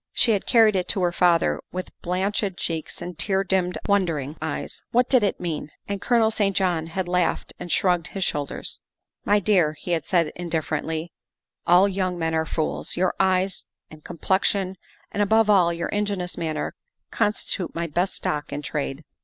She had carried it to her father with blanched cheeks and tear dimmed, wondering eyes. W T hat did it mean? And Colonel St. John had laughed and shrugged his shoulders. " My dear," he had said indifferently, " all young men are fools. Your eyes and complexion, and, above 170 THE WIFE OF all, your ingenuous manner, constitute my best stock in trade."